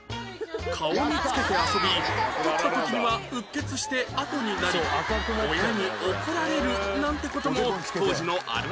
顔に付けて遊び取った時にはうっ血して痕になり親に怒られるなんて事も当時のあるあるでした